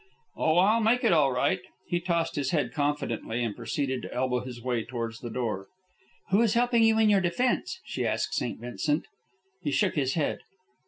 "Oh, I'll make it all right." He tossed his head confidently and proceeded to elbow his way towards the door. "Who is helping you in your defence?" she asked St. Vincent. He shook his head.